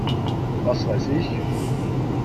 Was weiß ich!